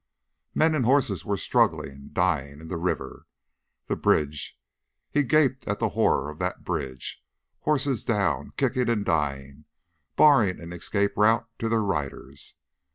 Men and horses were struggling, dying in the river. The bridge ... he gaped at the horror of that bridge ... horses down, kicking and dying, barring an escape route to their riders.